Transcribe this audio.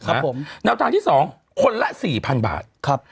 ครับผมแนวทางที่๒คนละ๔๐๐๐บาทครับ